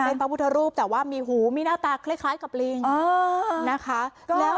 เป็นพระพุทธรูปแต่ว่ามีหูมีหน้าตาคล้ายกับลิงนะคะ